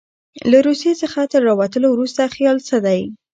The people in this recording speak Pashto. له روسیې څخه تر راوتلو وروسته خیال څه دی.